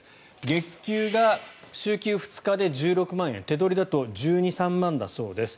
月給が週休２日で１６万円手取りだと１２１３万だそうです。